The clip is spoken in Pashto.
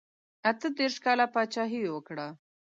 اته دېرش کاله پاچهي یې وکړه.